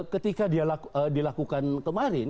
ketika dilakukan kemarin